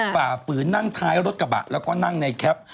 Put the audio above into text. ฝ่าฝืนนั่งท้ายรถกระบะแล้วก็นั่งในแคป